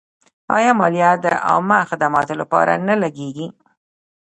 آیا مالیه د عامه خدماتو لپاره نه لګیږي؟